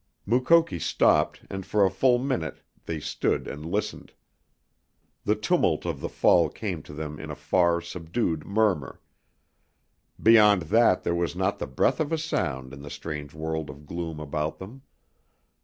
Mukoki stopped and for a full minute they stood and listened. The tumult of the fall came to them in a far, subdued murmur. Beyond that there was not the breath of a sound in the strange world of gloom about them.